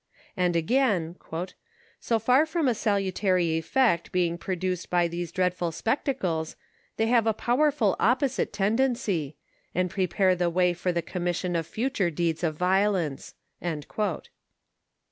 And again, «'so far from a sa lutary effect being produced by these dreadful spectacles, they have a powerful opposite tendency, and pre pare the way for the commission of future deeds of violence."